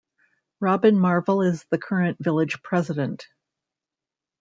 Robin Marvel is the current Village President.